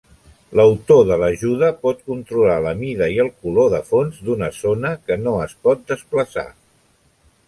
L'autor de l'Ajuda pot controlar la mida i el color de fons d'una zona que no es pot desplaçar.